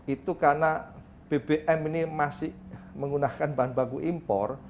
itu karena bbm ini masih menggunakan bahan baku impor